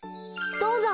どうぞ。